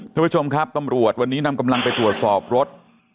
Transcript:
ทุกผู้ชมครับตำรวจวันนี้นำกำลังไปตรวจสอบรถ